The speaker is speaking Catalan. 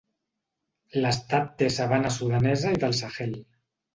L'estat té sabana sudanesa i del Sahel.